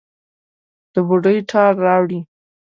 د بوډۍ ټال راوړي